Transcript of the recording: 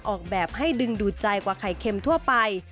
ออกแบบให้ดึงดูดใจกว่าไข่เค็มทั่วไป